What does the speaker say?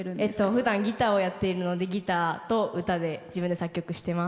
ふだんギターをやっているのでギターと歌で自分で作曲してます。